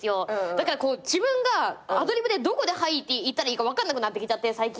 だから自分がアドリブでどこで「はい」って言ったらいいか分かんなくなってきちゃって最近。